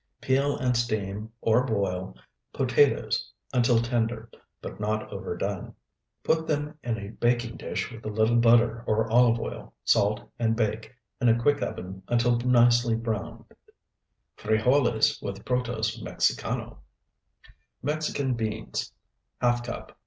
Peel and steam or boil potatoes until tender, but not overdone. Put them in a baking dish with a little butter or olive oil, salt, and bake in a quick oven until nicely browned. Serve with the fricassee. FRIJOLES WITH PROTOSE MEXICANO Mexican beans, ½ cup.